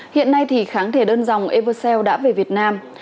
hiện nay thì kháng thể đơn dòng eversea đã về việt nam